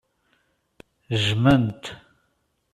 Jjmen-t.